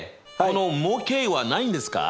この模型はないんですか？